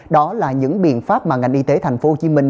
đó là những biện pháp mà ngành y tế thành phố hồ chí minh